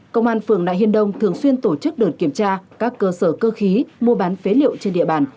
công an phường nại hiên đông thường xuyên tổ chức đợt kiểm tra các cơ sở cơ khí mua bán phế liệu trên địa bàn